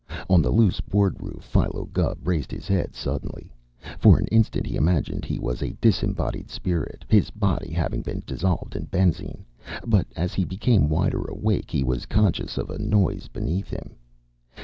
On the loose board roof Philo Gubb raised his head suddenly. For an instant he imagined he was a disembodied spirit, his body having been dissolved in benzine, but as he became wider awake he was conscious of a noise beneath him.